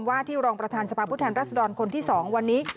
ว่าที่รองประธานสภาพผู้แทนรัศดรคนที่๒วันนี้